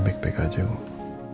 back back aja gue